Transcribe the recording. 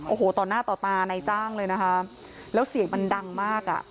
โอ้โหต่อหน้าต่อตาในจ้างเลยนะคะแล้วเสียงมันดังมากอ่ะ